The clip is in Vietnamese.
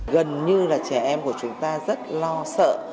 gần như là trẻ em của chúng ta rất lo sợ